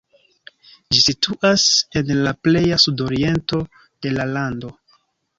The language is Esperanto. Ĝi situas en la pleja sudoriento de la lando.